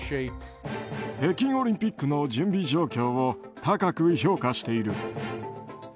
北京オリンピックの準備状況を高く評価している。